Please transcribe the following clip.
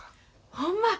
ほんま？